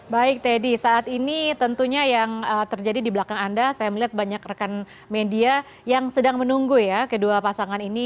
baik teddy saat ini tentunya yang terjadi di belakang anda saya melihat banyak rekan media yang sedang menunggu ya kedua pasangan ini